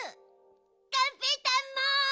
がんぺーたんも。